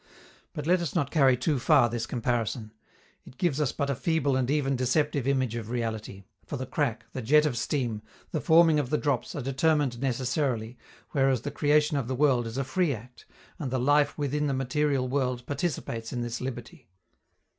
But let us not carry too far this comparison. It gives us but a feeble and even deceptive image of reality, for the crack, the jet of steam, the forming of the drops, are determined necessarily, whereas the creation of a world is a free act, and the life within the material world participates in this liberty.